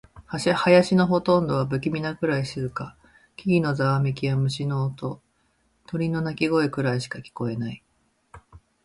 林のほとんどは不気味なくらい静か。木々のざわめきや、虫の音、鳥の鳴き声くらいしか聞こえない。